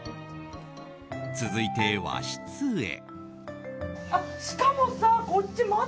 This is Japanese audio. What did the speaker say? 続いて、和室へ。